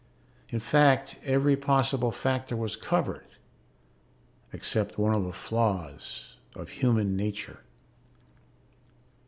In fact, every possible factor was covered except one of the flaws of human nature....